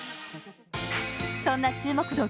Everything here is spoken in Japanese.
そんな注目度